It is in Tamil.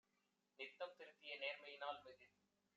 நித்தம் திருத்திய நேர்மையி னால்மிகு